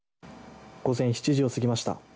午前７時を過ぎました。